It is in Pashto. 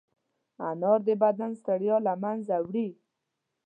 انار د بدن ستړیا له منځه وړي.